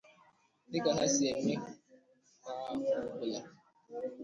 dịka ha si eme kwa ahọ ọbụla.